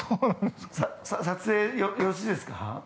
撮影、よろしいですか？